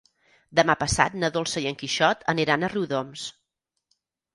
Demà passat na Dolça i en Quixot aniran a Riudoms.